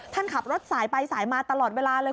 ท่านขับรถสายไปสายมาตลอดเวลาเลย